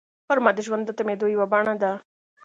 غرمه د ژوند د تمېدو یوه بڼه ده